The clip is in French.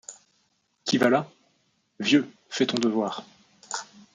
Qui va là ?— Vieux, fais ton devoir.